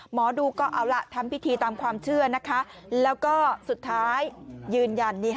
หมอดูก็เอาล่ะทำพิธีตามความเชื่อนะคะแล้วก็สุดท้ายยืนยัน